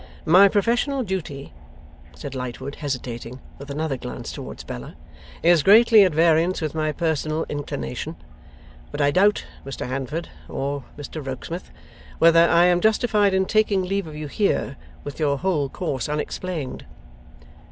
'My professional duty,' said Lightwood hesitating, with another glance towards Bella, 'is greatly at variance with my personal inclination; but I doubt, Mr Handford, or Mr Rokesmith, whether I am justified in taking leave of you here, with your whole course unexplained.